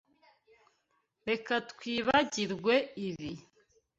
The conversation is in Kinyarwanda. Reka twibagirwe ibi.